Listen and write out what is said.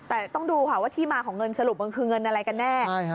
แต่ต้องดูค่ะว่าที่มาของเงินสรุปมันคือเงินอะไรกันแน่